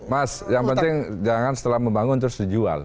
mas yang penting jangan setelah membangun terus dijual